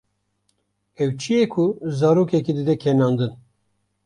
Ew çi ye ku zarokekî dide kenandin?